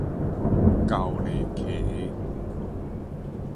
厚篱㧎